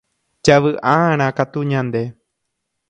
javy'a'arã katu ñande